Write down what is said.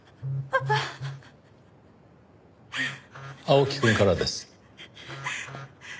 青木くんからです。